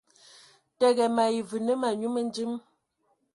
Təgə, mayi və nə ma nyu mədim.